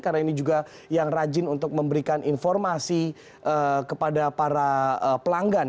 karena ini juga yang rajin untuk memberikan informasi kepada para pelanggan